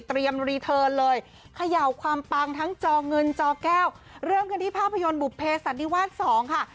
รีเทิร์นเลยเขย่าความปังทั้งจอเงินจอแก้วเริ่มกันที่ภาพยนตร์บุภเพสันนิวาสสองค่ะ